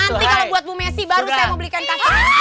nanti kalau buat bu messi baru saya mau belikan